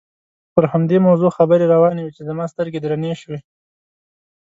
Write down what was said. پر همدې موضوع خبرې روانې وې چې زما سترګې درنې شوې.